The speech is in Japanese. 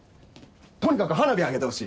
とにかく花火上げてほしい。